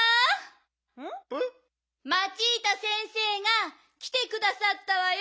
・マチータ先生がきてくださったわよ。